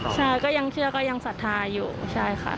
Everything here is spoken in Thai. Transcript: ใช่ก็ยังเชื่อก็ยังศรัทธาอยู่ใช่ค่ะ